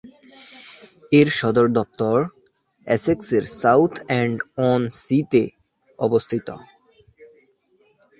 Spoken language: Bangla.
এর সদর দপ্তর এসেক্সের সাউথএন্ড-অন-সীতে অবস্থিত।